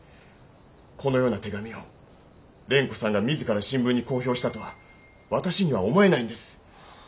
このような手紙を蓮子さんが自ら新聞に公表したとは私には思えないんです。